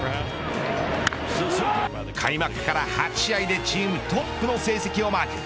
開幕から８試合でチームトップの成績をマーク。